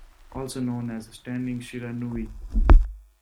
Also known as a standing "shiranui".